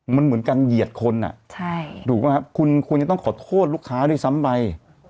มันเหมือนการเหยียดคนถูกไหมครับคุณควรจะต้องขอโทษลูกค้าด้วยซ้ำไป